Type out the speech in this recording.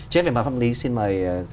chết về mặt pháp lý xin mời